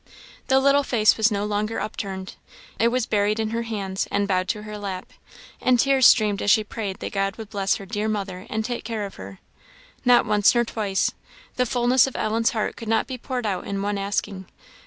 The little face was no longer upturned it was buried in her hands, and bowed to her lap, and tears streamed as she prayed that God would bless her dear mother and take care of her. Not once nor twice the fulness of Ellen's heart could not be poured out in one asking.